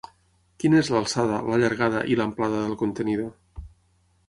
Quina és l'alçada, la llargada i l'amplada del contenidor?